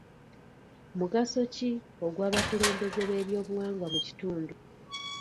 Mugaso ki ogw'abakulembeze b'ebyobuwangwa mu kitundu?